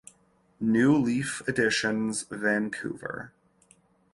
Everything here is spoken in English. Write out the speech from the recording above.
New Leaf Editions, Vancouver.